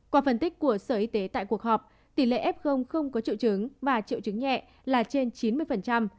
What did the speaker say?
qua phân tích của sở y tế tại cuộc họp tỷ lệ f không có triệu chứng và triệu chứng nhẹ là trên chín mươi